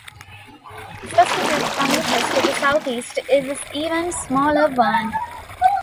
Just a few kilometers to the southeast is the even smaller Verne.